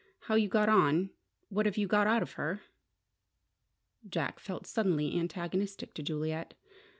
How you got on what have you got out of her?" Jack felt suddenly antagonistic to Juliet.